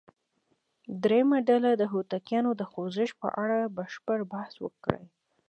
درېمه ډله دې د هوتکیانو د خوځښت په اړه بشپړ بحث وکړي.